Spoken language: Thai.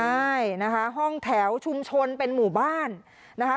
ใช่นะคะห้องแถวชุมชนเป็นหมู่บ้านนะคะ